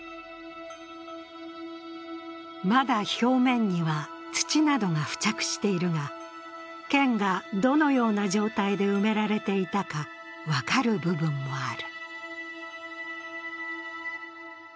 まだ表面には土などが付着しているが、剣がどのような状態で埋められていたか分かる部分もある。